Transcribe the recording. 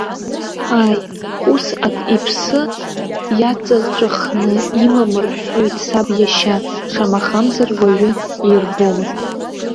Ааи, ус ак иԥсы иаҵаҵәахны иман рҳәоит саб иашьа, шамахамзар уаҩы иирбомызт.